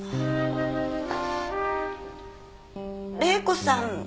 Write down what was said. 玲子さん